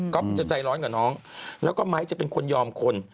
จะใจร้อนกว่าน้องแล้วก็ไม้จะเป็นคนยอมคน